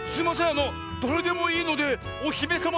あのだれでもいいのでおひめさま